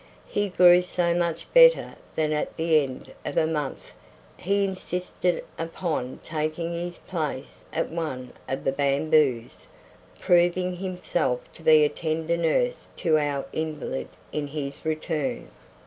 He grew so much better that at the end of a month he insisted upon taking his place at one of the bamboos, proving himself to be a tender nurse to our invalid in his turn.